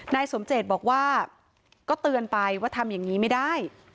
นายสมเจตบอกว่าก็เตือนไปว่าทำอย่างนี้ไม่ได้